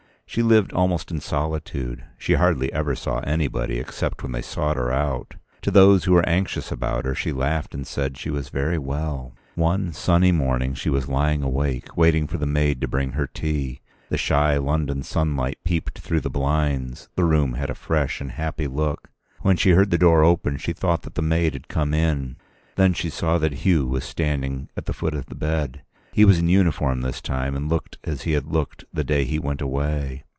She lived almost in solitude: she hardly ever saw anybody except when they sought her out. To those who were anxious about her she laughed and said she was very well. One sunny morning she was lying awake, waiting for the maid to bring her tea. The shy London sunlight peeped through the blinds. The room had a fresh and happy look. When she heard the door open she thought that the maid had come in. Then she saw that Hugh was standing at the foot of the bed. He was in uniform this time, and looked as he had looked the day he went away.